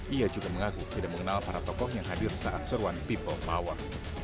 ia juga mengaku tidak mengenal para tokoh yang hadir saat seruan people power